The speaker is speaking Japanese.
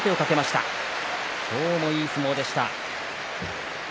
今日もいい相撲でした。